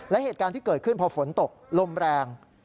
และเหตุการณ์ที่เกิดขึ้นพอฝนตกลมแรง